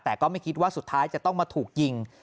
แต่ก็ไม่คิดว่าสุดท้ายจะต้องมาถูกยิง